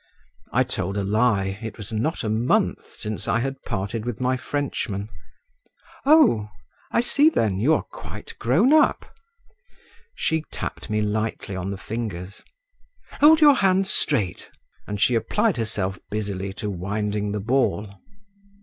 I told a lie; it was not a month since I had parted with my Frenchman. "Oh! I see then—you are quite grown up." She tapped me lightly on the fingers. "Hold your hands straight!" And she applied herself busily to winding the ball.